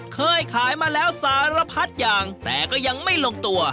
เคยขายมาแล้วสารพัดอย่างแต่ก็ยังไม่ลงตัว